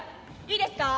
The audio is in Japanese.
いいですか？